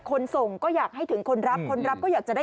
คนส่งก็อยากให้ถึงคนรับ